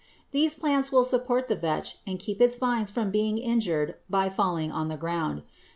These plants will support the vetch and keep its vines from being injured by falling on the ground.